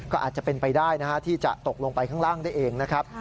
ก็อาจจะเป็นไปได้ที่จะตกลงไปข้างล่างได้เองนะครับ